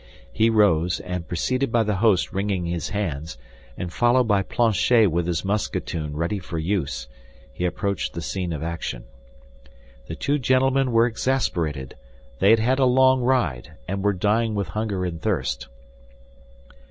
He rose, and preceded by the host wringing his hands, and followed by Planchet with his musketoon ready for use, he approached the scene of action. The two gentlemen were exasperated; they had had a long ride, and were dying with hunger and thirst.